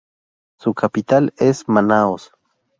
Su capital es Manaos.